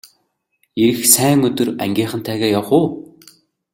Ирэх сайн өдөр ангийнхантайгаа явах уу!